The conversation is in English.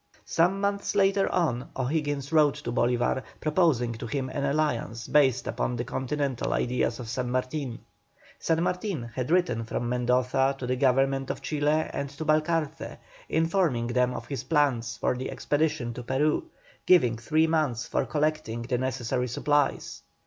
Some months later on O'Higgins wrote to Bolívar, proposing to him an alliance based upon the continental ideas of San Martin. San Martin had written from Mendoza to the Government of Chile and to Balcarce, informing them of his plans for the expedition to Peru, giving three months for collecting the necessary supplies.